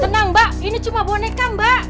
benar mbak ini cuma boneka mbak